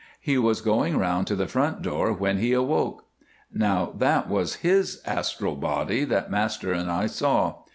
He was going round to the front door when he awoke. Now that was his astral body that Master and I saw.